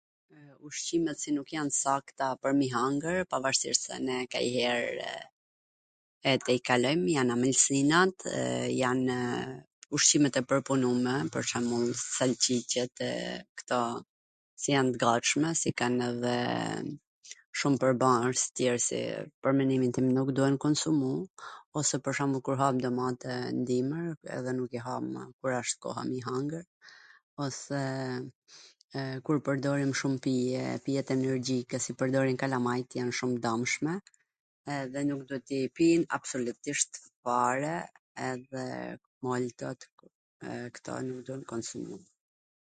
Ushqimet si nuk jan t sakta pwr me i hangwr, pavarsisht se ne kanjher e tejkalojm, jan amwlsinat, janw ushqimet e pwrpunume, pwr shembull salCiCet e kto qw jan t gatshme, si kan edhe shum pwrbars tjer si pwr mendimin tim nuk duhen konsumu, ose pwr shwmbull kur ham domaten n dimwr edhe nuk e hamw kur asht koha me i hangwr, ose kur pwrdorim shum pije, pijet energjike si pwrdorin kalamajt jan shum t damshme edhe nuk duhet t i pijm absolutisht fare edhe kto nuk duhen konsumu.